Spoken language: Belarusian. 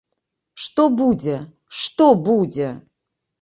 Што будзе, што будзе?